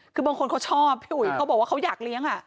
คือบางคนเขาชอบพี่อุ๋ยเขาบอกว่าเขาอยากเลี้ยง